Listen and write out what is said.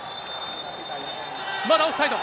まだオフサイド。